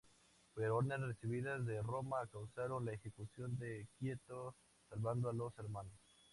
Pero órdenes recibidas de Roma causaron la ejecución de Quieto, salvando a los hermanos.